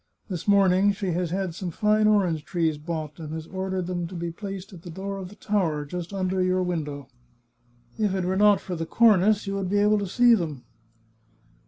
This morning she has had some fine orange trees bought, and has ordered them to be placed at the door of the tower, just under your window. If it were not for the cornice you would be able to see them."